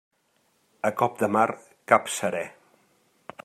A cop de mar, cap seré.